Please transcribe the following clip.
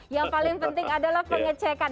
yang paling penting adalah pengecekan